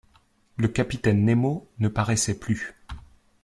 Le capitaine Nemo ne paraissait plus